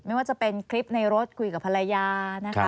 ไม่ว่าจะเป็นคลิปในรถคุยกับภรรยานะคะ